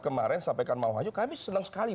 kemarin sampaikan mau haju kami senang sekali